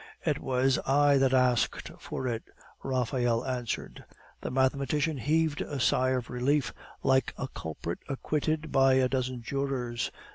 "It was I that asked for it," Raphael answered. The mathematician heaved a sigh of relief, like a culprit acquitted by a dozen jurors.